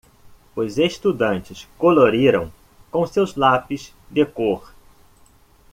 Os estudantes coloriram com seus lápis de cor.